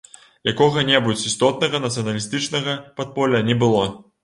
Якога-небудзь істотнага нацыяналістычнага падполля не было.